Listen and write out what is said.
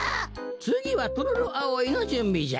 つぎはトロロアオイのじゅんびじゃ。